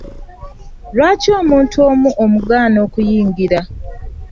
Lwaki omuntu omu omugaana okuyingira?